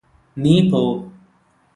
നീ പോ